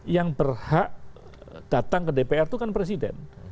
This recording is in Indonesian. yang berhak datang ke dpr itu kan presiden